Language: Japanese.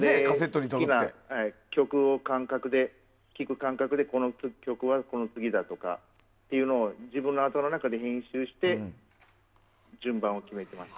曲を聴く感覚でこの曲はこの次だとか自分の頭の中で編集して、順番を決めてました。